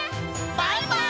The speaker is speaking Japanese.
バイバイ！